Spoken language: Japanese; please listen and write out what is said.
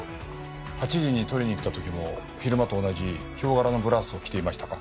８時に取りに来た時も昼間と同じ豹柄のブラウスを着ていましたか？